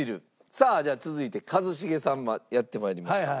さあじゃあ続いて一茂さんやってまいりました。